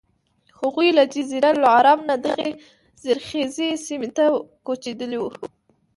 هغوی له جزیرة العرب نه دغې زرخیزې سیمې ته کوچېدلي وو.